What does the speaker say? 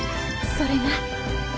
それが。